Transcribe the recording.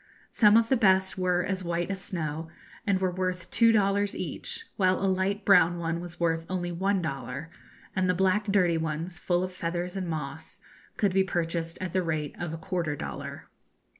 Some of the best were as white as snow, and were worth two dollars each, while a light brown one was worth only one dollar, and the black dirty ones, full of feathers and moss, could be purchased at the rate of a quarter dollar.